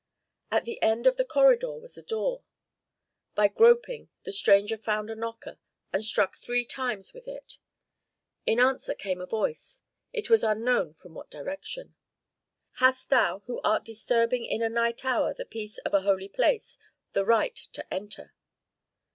At the end of the corridor was a door. By groping the stranger found a knocker, and struck three times with it. In answer came a voice, it was unknown from what direction. "Hast thou, who art disturbing in a night hour the peace of a holy place, the right to enter?"